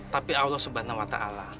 tapi allah swt